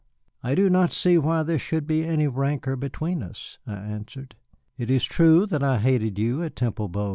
"I do not see why there should be any rancor between us," I answered. "It is true that I hated you at Temple Bow.